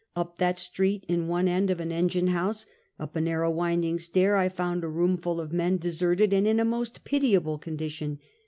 Up that street in one end of an engine house, up a narrow, winding stair, I found a room full of men deserted, and in most pitiable condition.